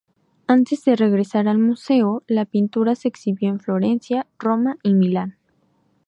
Antes de regresar al museo, la pintura se exhibió en Florencia, Roma y Milán.